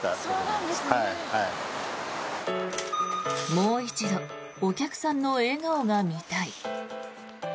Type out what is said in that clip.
もう一度お客さんの笑顔が見たい。